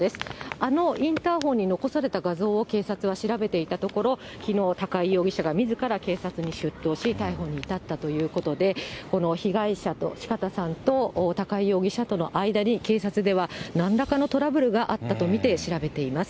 あのインターフォンに残された画像を警察は調べていたところ、きのう高井容疑者がみずから警察に出頭し、逮捕に至ったということで、この被害者と、四方さんと高井容疑者との間に警察では、なんらかのトラブルがあったと見て、調べています。